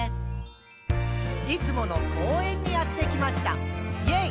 「いつもの公園にやってきました！イェイ！」